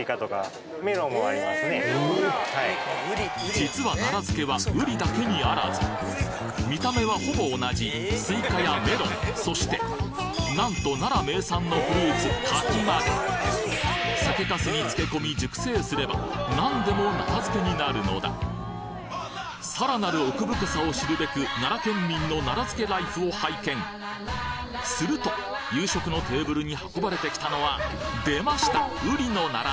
実は奈良漬はうりだけにあらず見た目はほぼ同じすいかやメロンそしてなんと奈良名産のフルーツ柿まで酒粕に漬け込み熟成すればなんでも奈良漬になるのださらなる奥深さを知るべくすると夕食のテーブルに運ばれてきたのは出ました！